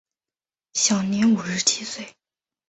享年五十七岁。